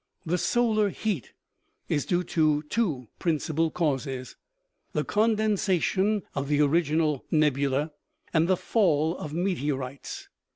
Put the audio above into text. The solar heat is due to two principal causes the condensation of the original nebula, and the fall of meteorites.